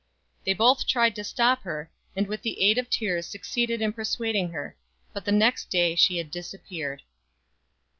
They both tried to stop her, and with the aid of tears succeeded in persuading her ; but the next day she had disappeared.